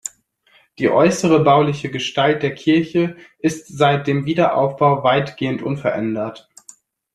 Die äußere bauliche Gestalt der Kirche ist seit dem Wiederaufbau weitgehend unverändert.